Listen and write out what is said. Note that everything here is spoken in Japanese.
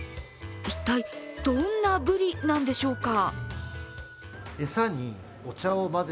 一体どんなブリなんでしょうか。